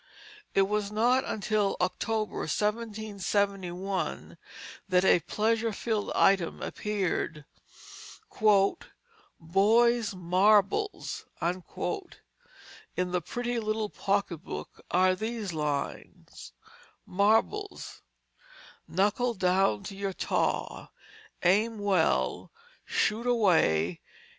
It was not until October, 1771, that a pleasure filled item appeared, "Boys' Marbles." In The Pretty Little Pocket Book are these lines: "MARBLES "Knuckle down to your Taw. Aim well, shoot away.